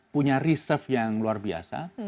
punya reserve yang luar biasa